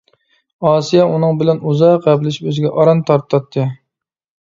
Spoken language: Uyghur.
ئاسىيە ئۇنىڭ بىلەن ئۇزاق ھەپىلىشىپ ئۆزىگە ئاران تارتاتتى.